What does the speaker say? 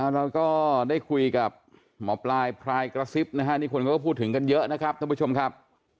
เราก็ได้คุยกับหมอปลายพรายกระซิบนะฮะนี่คนเขาก็พูดถึงกันเยอะนะครับท่านผู้ชมครับ